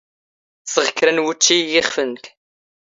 ⵙⵖ ⴽⵔⴰ ⵏ ⵡⵓⵜⵜⵛⵉ ⵉ ⵢⵉⵅⴼ ⵏⵏⴽ.